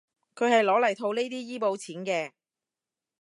佢係攞嚟套呢啲醫保錢嘅